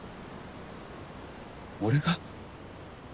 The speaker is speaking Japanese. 俺が？